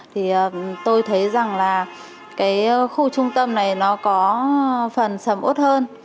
thì tôi thấy rằng là cái khu trung tâm này nó có phần sầm ốt hơn